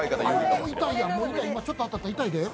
ちょっと当たっただけで痛いで！